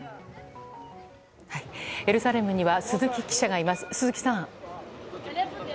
エルサレムには鈴木記者がいます。